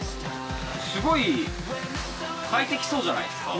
すごい快適そうじゃないですか。